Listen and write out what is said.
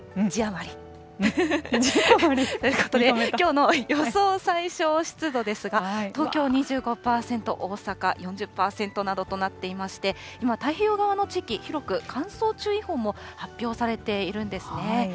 字余り。ということで、きょうの予想最小湿度ですが、東京２５％、大阪４０％などとなっていまして、太平洋側の地域、広く乾燥注意報も発表されているんですね。